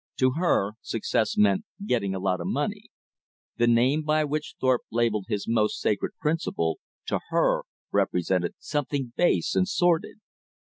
To her, success meant getting a lot of money. The name by which Thorpe labelled his most sacred principle, to her represented something base and sordid.